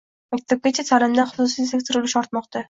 Maktabgacha ta’limda xususiy sektor ulushi ortmoqda